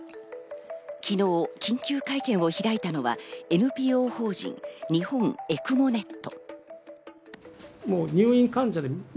昨日、緊急会見を開いたのはＮＰＯ法人・日本ＥＣＭＯｎｅｔ。